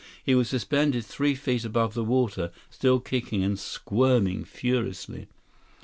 He was suspended three feet above the water, still kicking and squirming furiously.